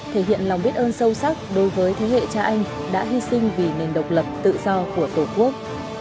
thể hiện lòng biết ơn sâu sắc đối với thế hệ cha anh đã hy sinh vì nền độc lập tự do của tổ quốc